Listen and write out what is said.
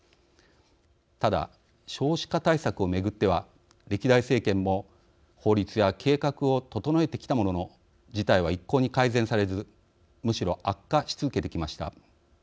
ただ、少子化対策を巡っては歴代政権も法律や計画を整えてきたものの事態は一向に改善されずむしろ悪化し続けてきました。